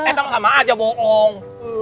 eh sama aja bohong